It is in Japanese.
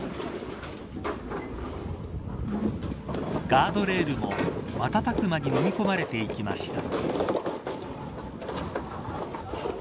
ガードレールも瞬く間にのみ込まれていきました。